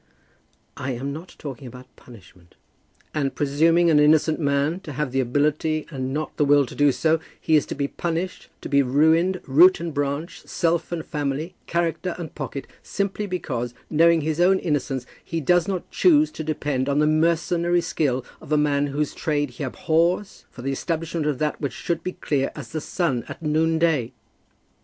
"I am not talking about punishment." "And presuming an innocent man to have the ability and not the will to do so, he is to be punished, to be ruined root and branch, self and family, character and pocket, simply because, knowing his own innocence, he does not choose to depend on the mercenary skill of a man whose trade he abhors for the establishment of that which should be clear as the sun at noon day!